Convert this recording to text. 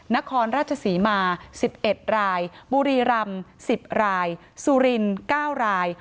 นครราชศรีมา๑๑รายบุรีรำ๑๐รายสุรินทร์๙ราย